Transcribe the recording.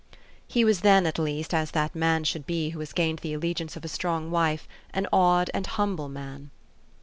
" He was then, at least, as that man should be who has gained the allegiance of a strong wife, an awed and humble man.